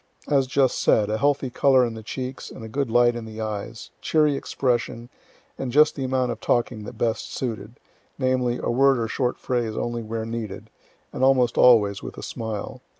As just said, a healthy color in the cheeks, and good light in the eyes, cheery expression, and just the amount of talking that best suited, namely, a word or short phrase only where needed, and almost always with a smile.